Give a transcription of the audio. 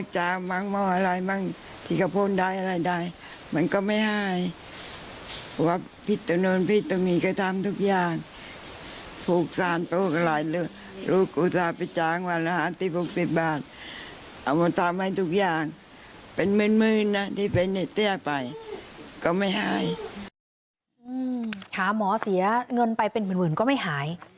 ถามหมอเสียเงินไปเป็นหมื่นก็ไม่หาย